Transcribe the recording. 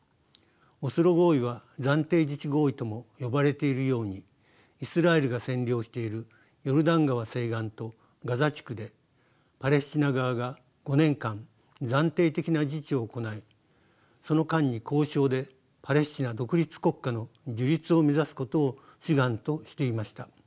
オスロ合意は暫定自治合意とも呼ばれているようにイスラエルが占領しているヨルダン川西岸とガザ地区でパレスチナ側が５年間暫定的な自治を行いその間に交渉でパレスチナ独立国家の樹立を目指すことを主眼としていました。